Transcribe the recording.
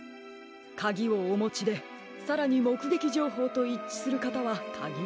カギをおもちでさらにもくげきじょうほうといっちするかたはかぎられますからね。